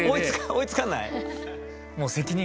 追いつかない？